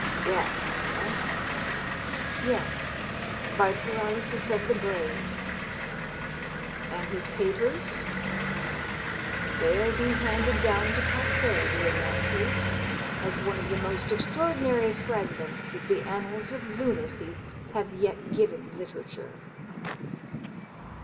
^^ Death, eh?" " Yes — by paralysis of the brain." " And his papers ?"" They'll be handed down to posterity, in that case, as one of the most extraordinary fragments that the annals of lunacy have yet given literature."